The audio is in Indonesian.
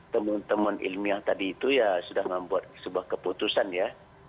teman teman ilmiah tadi itu ya sudah membuat sebuah keputusan ya